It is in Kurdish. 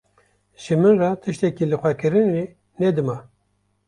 Ji min re tiştekî lixwekirinê ne dima.